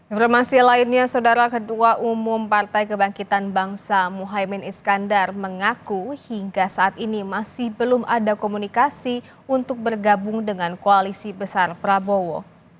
informasi lainnya saudara ketua umum partai kebangkitan bangsa muhaymin iskandar mengaku hingga saat ini masih belum ada komunikasi untuk bergabung dengan koalisi besar prabowo